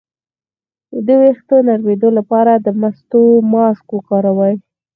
د ویښتو د نرمیدو لپاره د مستو ماسک وکاروئ